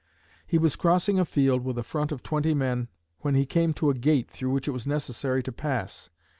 He was crossing a field with a front of twenty men when he came to a gate through which it was necessary to pass.